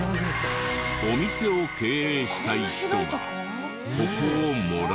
お店を経営したい人がここをもらえる？